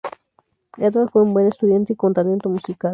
Eduard fue un buen estudiante y con talento musical.